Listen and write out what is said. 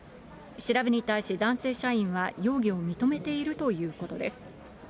調べに対し男性社員は容疑を認めているということです。